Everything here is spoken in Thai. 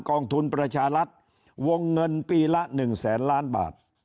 กองทุนประชารัฐวงเงินปีละ๑แสนล้านบาท